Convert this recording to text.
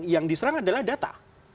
yang diserang adalah data